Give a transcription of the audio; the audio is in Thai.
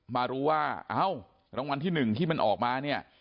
มารู้ว่าเอ้ารางวัลที่๑ที่มันออกมาเนี่ย